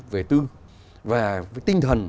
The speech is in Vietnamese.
về tư và tinh thần